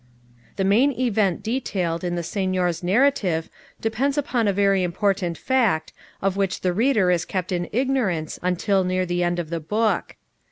The main event detailed in the Signor's narrative depends upon a very important fact, of which the reader is kept in ignorance until near the end of the book.